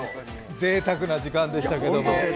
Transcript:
ぜいたくな時間でしたけど。